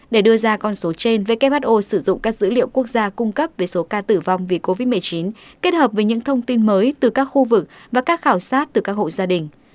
để đưa ra con số trên who sử dụng các dữ liệu quốc gia cung cấp về số ca tử vong vì covid một mươi chín kết hợp với những thông tin mới từ các khu vực và các khảo sát từ các hộ gia đình